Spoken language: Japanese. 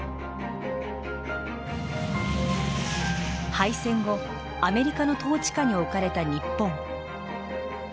敗戦後アメリカの統治下に置かれた日本。